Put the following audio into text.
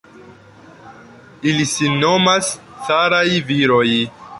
Ili sin nomas caraj viroj!